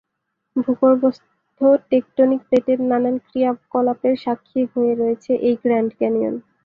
ভূগর্ভস্থ টেকটনিক প্লেটের নানান ক্রিয়াকলাপের সাক্ষী হয়ে রয়েছে এই গ্র্যান্ড ক্যানিয়ন।